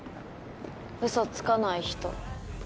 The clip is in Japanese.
うそつかない人。